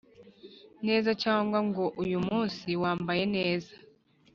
neza cyangwa ngo uyu munsi wambaye neza